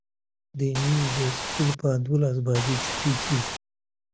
Among other subjects, it takes up the life-cycle of bad ideas.